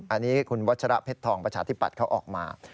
อันนี้คุณวัชระเพชรทองประชาธิปัตย์เขาออกมา